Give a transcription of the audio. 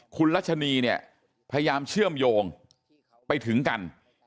คุณรัชนีเนี่ยพยายามเชื่อมโยงไปถึงกัน